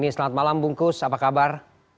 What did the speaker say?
selamat malam bungkus apa kabar